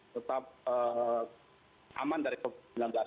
tetap aman dari covid sembilan belas